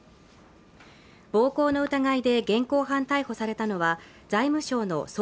暴行の疑いで現行犯逮捕されたのは財務省の総括